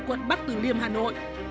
quận bắc tử liêm hà nội